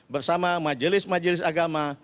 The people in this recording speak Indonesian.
bersama majelis majelis agama